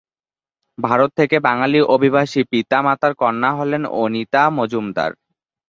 ভারত থেকে বাঙালি অভিবাসী পিতা-মাতার কন্যা হলেন অনিতা মজুমদার।